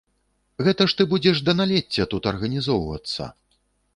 Гэта ж ты будзеш да налецця тут арганізоўвацца.